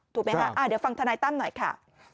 ถูกไหมคะเดี๋ยวฟังธนายตั้มหน่อยค่ะ